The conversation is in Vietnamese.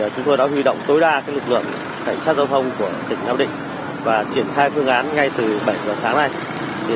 chúng tôi đã huy động tối đa lực lượng cảnh sát giao thông của tỉnh nam định và triển khai phương án ngay từ bảy giờ sáng nay